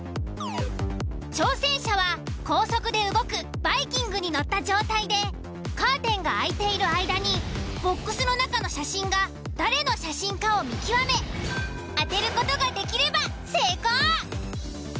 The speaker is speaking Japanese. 挑戦者は高速で動くバイキングに乗った状態でカーテンが開いている間にボックスの中の写真が誰の写真かを見極め当てる事ができれば成功！